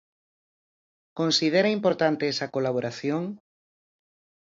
Considera importante esa colaboración?